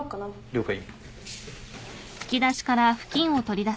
了解。